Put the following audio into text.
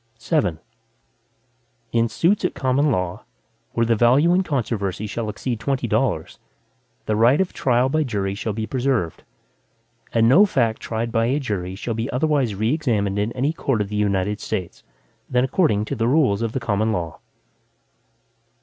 VII In suits at common law, where the value in controversy shall exceed twenty dollars, the right of trial by jury shall be preserved, and no fact tried by a jury shall be otherwise re examined in any court of the United States, than according to the rules of the common law.